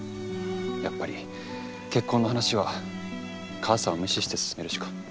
やっぱり結婚の話は母さんを無視して進めるしか。